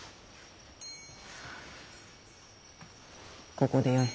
ここでよい。